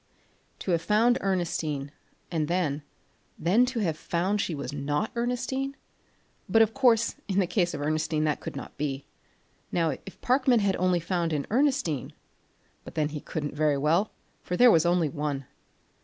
To have found Ernestine and then then to have found she was not Ernestine! But of course in the case of Ernestine that could not be. Now if Parkman had only found an Ernestine but then he couldn't very well, for there was only one!